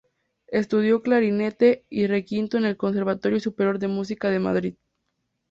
Estudió clarinete y requinto en el Conservatorio Superior de Música de Madrid.